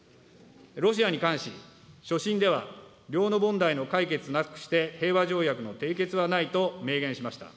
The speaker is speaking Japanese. ロシアに関し、所信では領土問題の解決なくして平和条約の締結はないと明言しました。